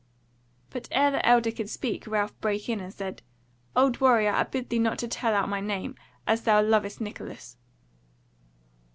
But ere the elder could speak, Ralph brake in and said: "Old warrior, I bid thee not to tell out my name, as thou lovest Nicholas."